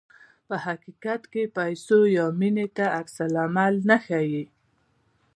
په حقیقت کې پیسو یا مینې ته عکس العمل نه ښيي.